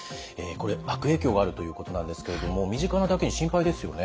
これ悪影響があるということなんですけれども身近なだけに心配ですよね。